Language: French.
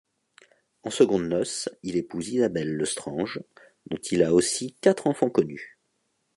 En secondes noces, il épouse Isabelle LeStrange, dont il a aussi quatre enfants connus.